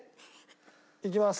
いきます。